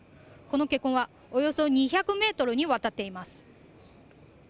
この血痕はおよそ２００ｍにわたっています。